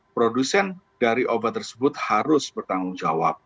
produsen dari obat tersebut harus bertanggung jawab